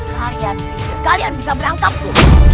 kalian bisa kalian bisa melangkapku